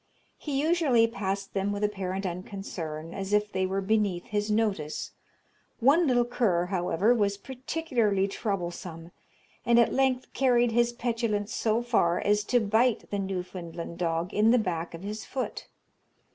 He usually passed them with apparent unconcern, as if they were beneath his notice. One little cur, however, was particularly troublesome, and at length carried his petulance so far as to bite the Newfoundland dog in the back of his foot.